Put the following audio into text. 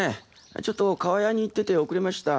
ちょっと厠に行ってて遅れました。